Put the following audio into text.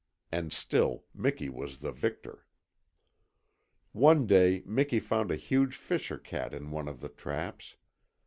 And still Miki was the victor. One day Miki found a huge fisher cat in one of the traps.